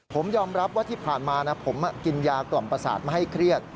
ผมยอมรับว่าที่ผ่านมานะผมกินยากล่อมประสาทมาให้เครียด